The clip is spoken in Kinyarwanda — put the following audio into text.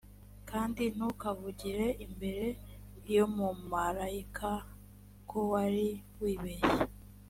kandi ntukavugire imbere y umumarayika o ko wari wibeshye